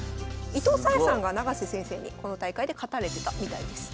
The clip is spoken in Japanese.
伊藤沙恵さんが永瀬先生にこの大会で勝たれてたみたいです。